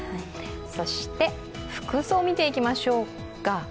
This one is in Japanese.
そして服装を見ていきましょうか。